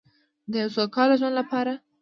د یو سوکاله ژوند لپاره.